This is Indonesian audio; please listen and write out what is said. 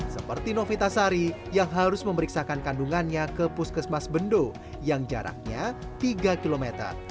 seperti novita sari yang harus memeriksakan kandungannya ke puskesmas bendo yang jaraknya tiga km